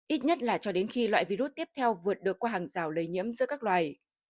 ít nhất là cho đến khi loại virus tiếp theo vượt được qua hàng rào lây nhiễm giữa các loài